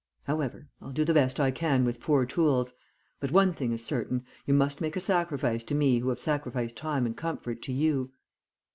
However, I'll do the best I can with poor tools; but one thing is certain, you must make a sacrifice to me who have sacrificed time and comfort to you.'